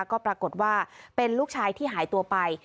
ก็ปรากฏว่าเป็นลูกชายที่หายตัวไป